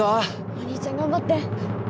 お兄ちゃん頑張って。